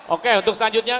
oke untuk selanjutnya